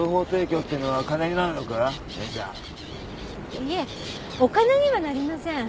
いえお金にはなりません。